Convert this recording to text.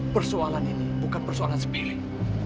persoalan ini bukan persoalan sepilih